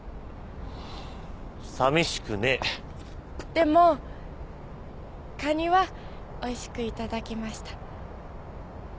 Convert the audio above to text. でもカニはおいしくいただきました。